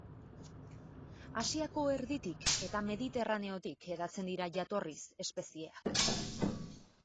Asiako erditik eta Mediterraneotik hedatzen dira, jatorriz, espezieak.